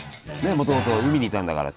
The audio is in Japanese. もともと海にいたんだから。